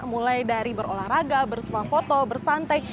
mulai dari berolahraga bersuah foto bersantai